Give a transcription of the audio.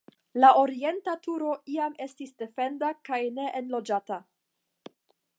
La orienta turo iam estis defenda kaj neenloĝata.